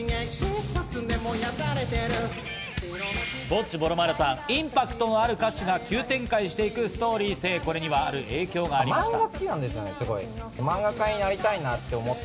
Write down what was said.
ぼっちぼろまるさん、インパクトのある歌詞が急展開していくストーリー性、これにはある影響がありました。